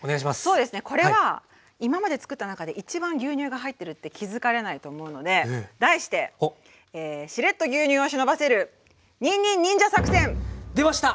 そうですねこれは今までつくった中で一番牛乳が入ってるって気付かれないと思うので題してしれっと牛乳を忍ばせるにんにん出ました！